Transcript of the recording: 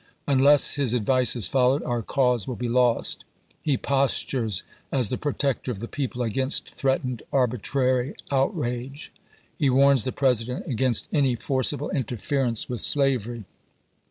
Unless his advice is followed " our cause will be lost." He postures as the protector of the people against threatened arbitrary outrage. He warns the President against any forcible interference with slavery.